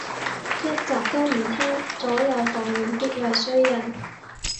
一集都唔聼，左右逢源必為衰人